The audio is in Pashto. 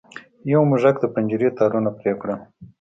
یو موږک د پنجرې تارونه پرې کړل.